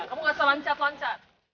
kamu gak usah lancar lancar